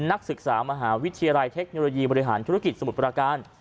นักศึกษามหาวิทยาลัยเทคโนโลยีบริหารธุรกิจสมุทรประการ